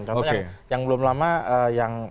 contoh yang belum lama yang